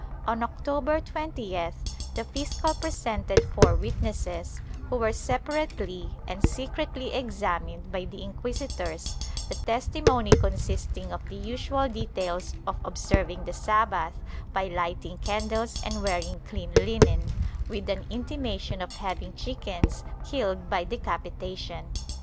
On October 20th, the fiscal presented four wit nesses, who were separately and secretly examined by the inquis itors, the testimony consisting of the usual details of observing the Sabbath by lighting candles and wearing clean linen, with an intimation of having chickens killed by decapitation.